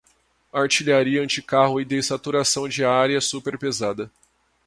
Artilharia anticarro e de saturação de área super-pesada